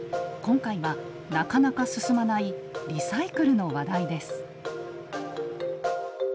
今回はなかなか進まないリサイクルの話題です。